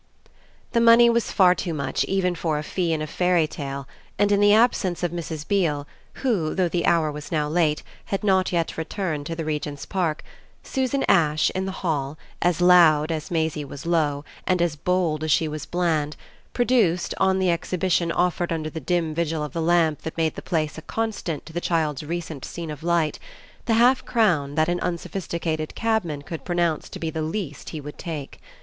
XX The money was far too much even for a fee in a fairy tale, and in the absence of Mrs. Beale, who, though the hour was now late, had not yet returned to the Regent's Park, Susan Ash, in the hall, as loud as Maisie was low and as bold as she was bland, produced, on the exhibition offered under the dim vigil of the lamp that made the place a contrast to the child's recent scene of light, the half crown that an unsophisticated cabman could pronounce to be the least he would take.